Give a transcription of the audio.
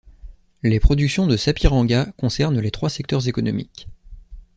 Les productions de Sapiranga concernent les trois secteurs économiques.